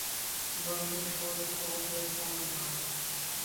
বরং তিনি সর্বদা, সর্বত্র বিদ্যমান।